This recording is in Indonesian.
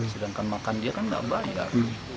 sedangkan makan dia kan nggak bayar